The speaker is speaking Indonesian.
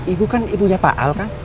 ibu kan ibunya pak al kan